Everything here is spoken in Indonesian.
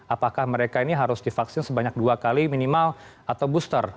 apakah mereka ini harus divaksin sebanyak dua kali minimal atau booster